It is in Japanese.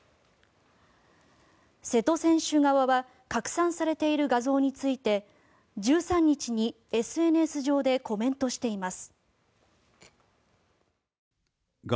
瀬戸選手側は拡散されている画像について１３日にＳＮＳ上でコメントしています。